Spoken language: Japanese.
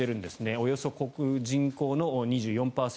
およそ人口の２４％。